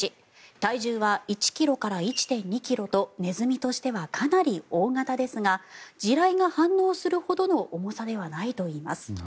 体重は１ｋｇから１．２ｋｇとネズミとしてはかなり大型ですが地雷が反応するほどの重さではないといいます。